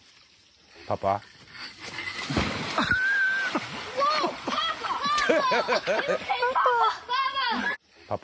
パパ。